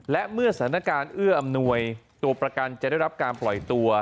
และเมื่อสถานการณ์เอื้ออำนวยตัวประกันจะได้รับการปล่อยตัว